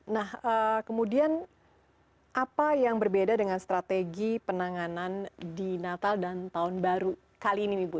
nah kemudian apa yang berbeda dengan strategi penanganan di natal dan tahun baru kali ini ibu